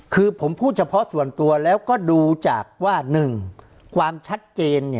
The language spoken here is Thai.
คือผมพูดเฉพาะส่วนตัวแล้วก็ดูจากว่า๑ความชัดเจน